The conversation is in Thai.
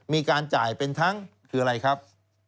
มีการจ่ายเป็นทั้งคืออะไรครับ